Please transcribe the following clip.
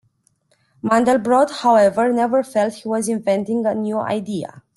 Mandelbrot, however, never felt he was inventing a new idea.